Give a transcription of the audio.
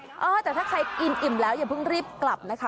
เออแต่ถ้าใครกินอิ่มแล้วอย่าเพิ่งรีบกลับนะคะ